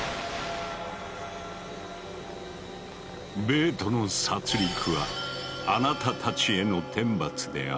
ベートの殺りくはあなたたちへの天罰である。